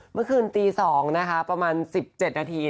เมื่อคืนตี๒นะคะประมาณ๑๗นาที